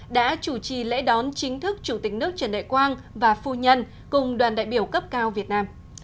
đã chủ trì lễ đón chính thức chủ tịch nước trần đại quang và phu nhân cùng đoàn đại biểu cấp cao việt nam